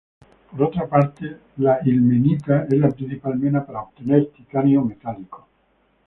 Por otra parte, la ilmenita es la principal mena para obtener titanio metálico.